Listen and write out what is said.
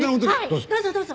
どうぞどうぞ。